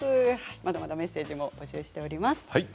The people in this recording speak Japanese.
まだまだメッセージも募集しています。